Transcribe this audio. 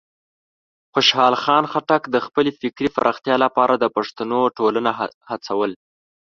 خوشحال خان خټک د خپلې فکري پراختیا لپاره د پښتنو ټولنه هڅول.